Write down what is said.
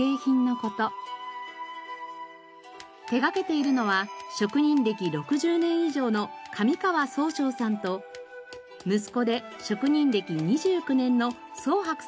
手がけているのは職人歴６０年以上の上川宗照さんと息子で職人歴２９年の宗伯さんです。